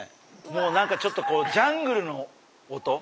もう何かちょっとこうジャングルの音。